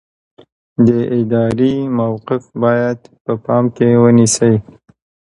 د ادارې موقف باید په پام کې ونیسئ.